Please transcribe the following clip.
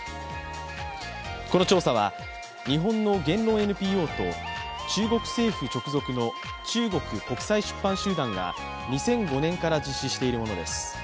この調査は日本の言論ＮＰＯと中国政府直属の中国国際出版集団が２００５年から実施しているものです。